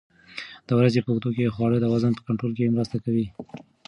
د ورځې په اوږدو کې خواړه د وزن په کنټرول کې مرسته کوي.